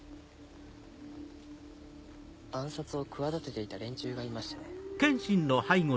暗殺を企てていた連中がいましてね。